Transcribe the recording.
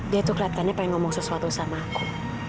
dia tuh kelihatannya pengen ngomong sesuatu sama aku